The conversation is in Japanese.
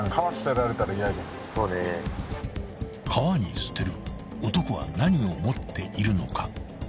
［川に捨てる男は何を持っているのか？］